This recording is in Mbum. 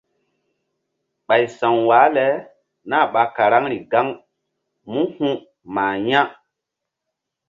Ɓay sa̧w wah le nah ɓa karaŋri gaŋ mú huh mah ya̧.